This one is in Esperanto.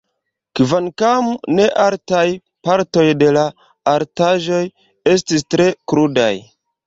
Kvankam ne altaj, partoj de la altaĵoj estis tre krudaj.